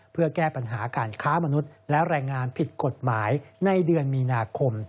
เพื่อแก้ปัญหาการค้ามนุษย์และแรงงานผิดกฎหมายในเดือนมีนาคม